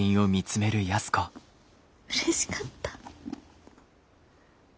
うれしかった。